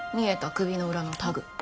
首の裏のタグ。